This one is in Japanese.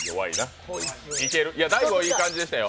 大悟はいい感じでしたよ。